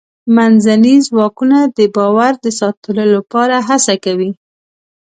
منځني ځواکونه د باور د ساتلو لپاره هڅه کوي.